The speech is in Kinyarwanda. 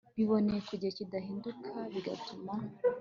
biboneye ku gihe kidahinduka bigatuma